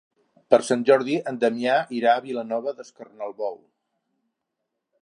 Per Sant Jordi en Damià irà a Vilanova d'Escornalbou.